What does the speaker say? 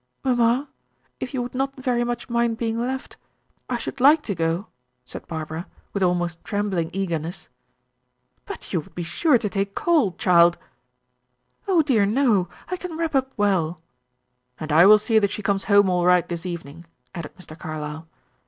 "Mamma if you would not very much mind being left, I should like to go," said Barbara, with almost trembling eagerness. "But you would be sure to take cold, child." "Oh, dear no. I can wrap up well." "And I will see that she comes home all right this evening," added Mr. Carlyle.